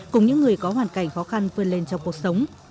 cùng những người có hoàn cảnh khó khăn vươn lên trong cuộc sống